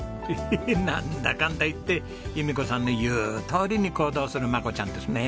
ヘヘッなんだかんだ言って由美子さんの言うとおりに行動するマコちゃんですね。